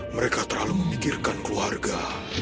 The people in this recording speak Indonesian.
mereka terlalu memikirkan keluarga